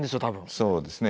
そうですね。